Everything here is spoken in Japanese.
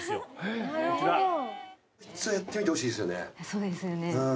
そうですよね